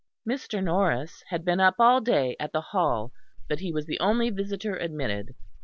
Mr. Norris had been up all day at the Hall, but he was the only visitor admitted.